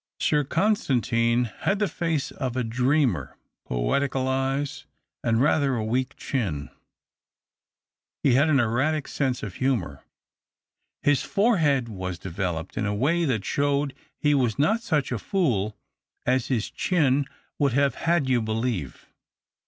Sir Constantine had the face of a di eamer, poetical eyes, and rather a weak chin ; he had an erratic sense of humour ; his forehead i was developed in a way that showed he was THE OCTAVE OF CLAUDIUS. 275 not .such a fool as his chin woukl have had )'ou believe.